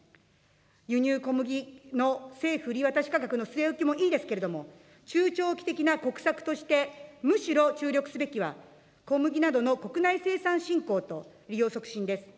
輸入小麦の政府売り渡し価格の据え置きもいいですけれども、中長期的な国策としてむしろ注力すべきは、小麦などの国内生産振興と、利用促進です。